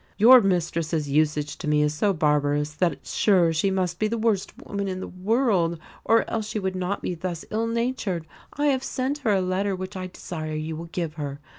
"Your mistress's usage to me is so barbarous that sure she must be the worst woman in the world, or else she would not be thus ill natured. I have sent her a letter which I desire you will give her.